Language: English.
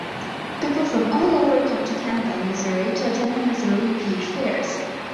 People from all over come to Campbell, Missouri to attend the Missouri Peach Fairs.